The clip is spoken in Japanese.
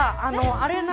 あれ？